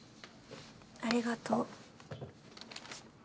ありがとう。